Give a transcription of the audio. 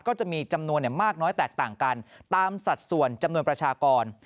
ก็จะมีจำนวนมากน้อยแตกต่างกันตามสัดส่วนจำนวนประชากร